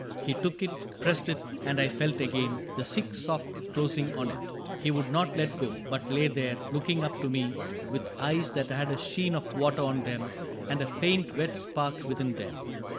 He took it, pressed it ; and I felt again The sick soft closing on it. He would not Let go, but lay there, looking up to me With eyes that had a sheen of water on them And a faint wet spark within them.